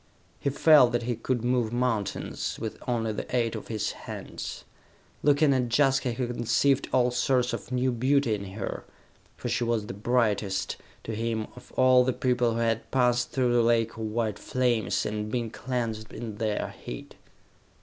He felt that he could move mountains, with only the aid of his hands. Looking at Jaska he conceived all sorts of new beauty in her, for she was the brightest, to him, of all the people who had passed through the lake of white flames, and been cleansed in their heat.